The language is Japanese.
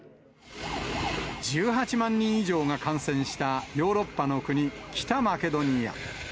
１８万人以上が感染したヨーロッパの国、北マケドニア。